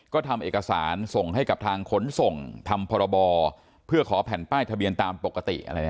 ก็ทำเอกสารส่งให้กับทางขนส่งทำพรบเพื่อขอแผ่นป้ายทะเบียนตามปกติ